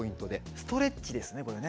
ストレッチですねこれね。